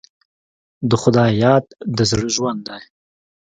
د خدای یاد د زړه ژوند دی.